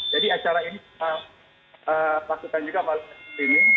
jadi acara ini kita lakukan juga live streaming